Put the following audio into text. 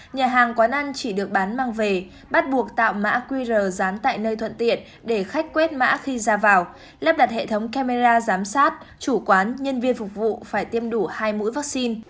nhà hàng quán ăn chỉ được bán mang về bắt buộc tạo mã qr dán tại nơi thuận tiện để khách quét mã khi ra vào lắp đặt hệ thống camera giám sát chủ quán nhân viên phục vụ phải tiêm đủ hai mũi vaccine